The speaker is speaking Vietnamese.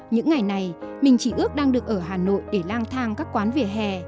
những ngày này mình chỉ ước đang được ở hà nội để lang thang các quán vỉa hè